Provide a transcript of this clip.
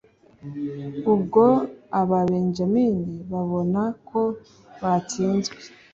ubwo ababenyamini babona ko batsinzwe